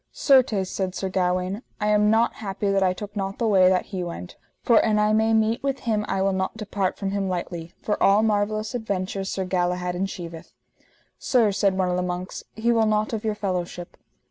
Certes, said Sir Gawaine, I am not happy that I took not the way that he went, for an I may meet with him I will not depart from him lightly, for all marvellous adventures Sir Galahad enchieveth. Sir, said one of the monks, he will not of your fellowship.